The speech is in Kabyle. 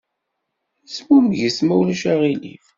Zmumget, ma ulac aɣilif.